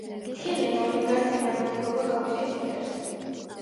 მთიელებმა მედგარი წინააღმდეგობა გაუწიეს მტერს.